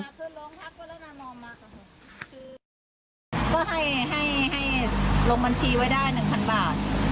มาเพื่อนร้องทักว่าแล้วนามอมมากก็คือก็ให้ให้ให้ลงบัญชีไว้ได้หนึ่งพันบาท